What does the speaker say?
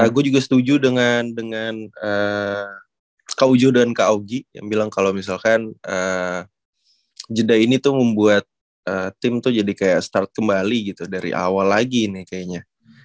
aku juga setuju dengan kak ujo dan kak awgi yang bilang kalau misalkan jeda ini tuh membuat tim tuh jadi kayak start kembali gitu dari awal lagi nih kayaknya